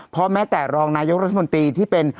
เพราะแม้แต่รองนายกรัฐมนตรีที่เป็น